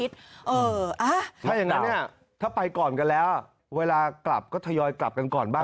ถ้าอย่างนั้นถ้าไปก่อนกันแล้วเวลากลับก็ทยอยกลับกันก่อนบ้าง